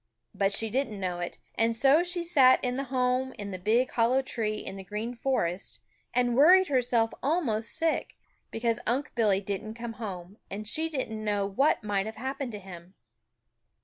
But she didn't know it, and so she sat in the home in the big hollow tree in the Green Forest and worried herself almost sick, because Unc' Billy didn't come home, and she didn't know what might have happened to him.